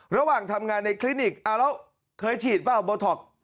ระหว่างทำงานในคลินิกเอาแล้วเคยฉีดเปล่าโบท็อก